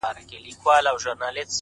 بيا دي توري سترگي زما پر لوري نه کړې _